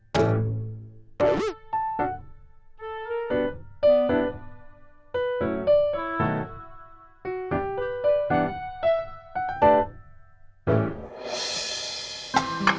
kesel banget sampe pangeran balik ke cewek asongan